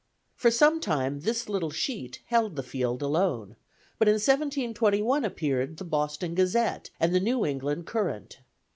For some time this little sheet held the field alone; but in 1721 appeared the Boston Gazette, and the New England Courant.